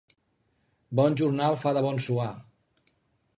Bon jornal fa de bon suar.